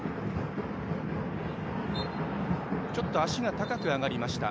ちょっと足が高く上がりました。